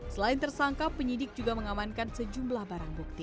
selain tersangka penyidik juga mengamankan sejumlah barang bukti